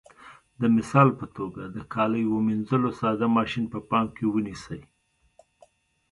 د مثال په توګه د کالیو منځلو ساده ماشین په پام کې ونیسئ.